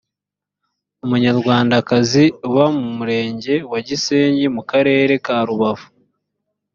umunyarwandakazi uba mu murenge wa gisenyi mu karere ka rubavu